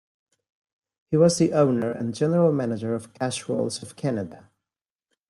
He was the owner and General Manager of "Cash Rolls of Canada".